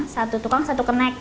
satu tukang satu konek